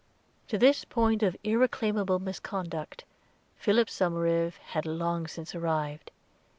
To this point of irreclaimable misconduct Philip Somerive had long since arrived.